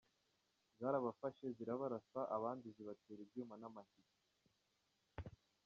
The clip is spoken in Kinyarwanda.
Zarabafashe, zirabarasa, abandi zibatera ibyuma n’amahiri.